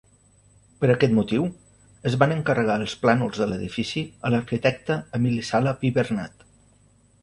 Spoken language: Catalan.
Per aquest motiu, es van encarregar els plànols de l'edifici a l'arquitecte Emili Sala Pibernat.